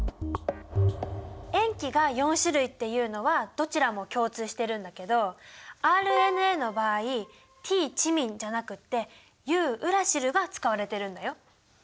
塩基が４種類っていうのはどちらも共通してるんだけどＲＮＡの場合「Ｔ・チミン」じゃなくって「Ｕ・ウラシル」が使われてるんだよ！